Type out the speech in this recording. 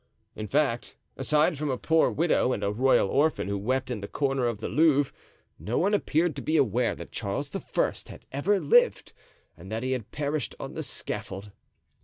In fact, aside from a poor widow and a royal orphan who wept in the corner of the Louvre, no one appeared to be aware that Charles I. had ever lived and that he had perished on the scaffold.